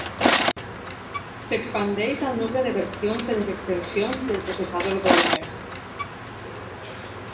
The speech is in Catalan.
S'expandeix al nombre de versions de les extensions del processador d'ordres.